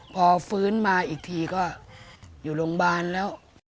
พอฟื้นมาอีกทีก็อยู่โรงพยาบาลแล้ว